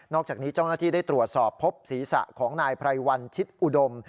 อกจากนี้เจ้าหน้าที่ได้ตรวจสอบพบศีรษะของนายไพรวันชิดอุดม